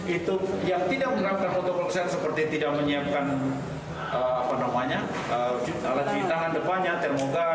itu yang tidak menerapkan protokol kesehatan seperti tidak menyiapkan alat cuci tangan depannya termongkar